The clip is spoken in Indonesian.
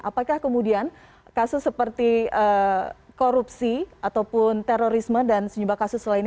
apakah kemudian kasus seperti korupsi ataupun terorisme dan sejumlah kasus lainnya